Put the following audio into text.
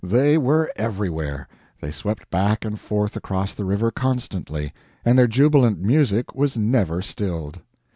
they were everywhere; they swept back and forth across the river constantly, and their jubilant music was never stilled.